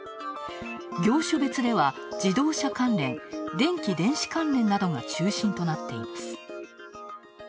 業種別では自動車関連、電気電子関連などが中心となっています。